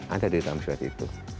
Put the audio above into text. ada di dalam surat itu